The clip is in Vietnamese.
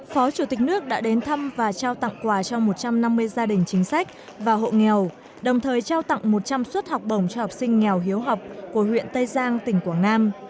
phó chủ tịch nước đã đến thăm và trao tặng quà cho một trăm năm mươi gia đình chính sách và hộ nghèo đồng thời trao tặng một trăm linh suất học bổng cho học sinh nghèo hiếu học của huyện tây giang tỉnh quảng nam